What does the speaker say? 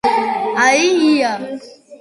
აი ია